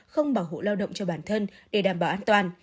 không bảo hộ lao động cho bản thân để đảm bảo an toàn